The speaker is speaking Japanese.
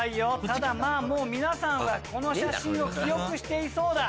ただもう皆さんはこの写真を記憶していそうだ。